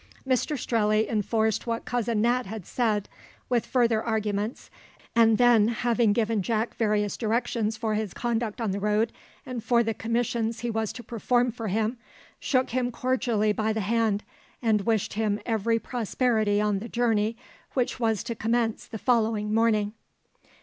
Mr Strelley enforced what Cousin Nat had said with further arguments, and then having given Jack various directions for his conduct on the road, and for the commissions he was to perform for him, shook him cordially by the hand, and wished him every prosperity on the journey which was to commence the following morning.